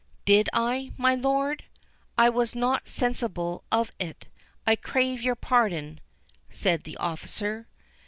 "Did I, my lord? I was not sensible of it. I crave your pardon," said the officer.